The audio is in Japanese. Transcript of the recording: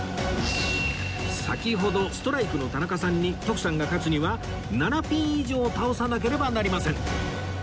先ほどストライクの田中さんに徳さんが勝つには７ピン以上倒さなければなりません